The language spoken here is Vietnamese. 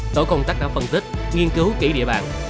tổ công tác đã phân tích nghiên cứu kỹ địa bàn